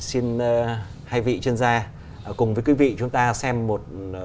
xin hai vị chuyên gia cùng với quý vị chúng ta xem một chương trình này